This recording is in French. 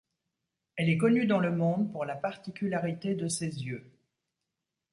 Elle est connue dans le monde pour la particularité de ses yeux.